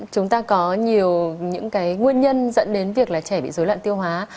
chúng ta có nhiều những cái nguyên nhân dẫn đến việc là trẻ bị dối loạn tiêu hóa